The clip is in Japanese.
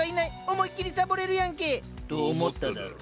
思いっきりサボれるやんけ！と思っただろう？